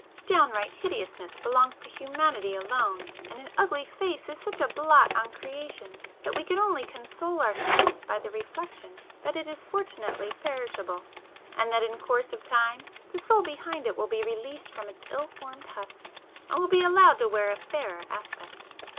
Downright hideousness belongs to humanity alone,—and an ugly face is such a blot on creation that we can only console ourselves by the reflection that it is fortunately perishable, and that in course of time the soul behind it will be released from its ill formed husk, and will be allowed to wear a fairer aspect.